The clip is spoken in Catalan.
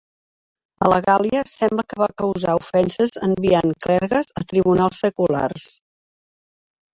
A la Gàl·lia, sembla que va causar ofenses enviant clergues a tribunals seculars.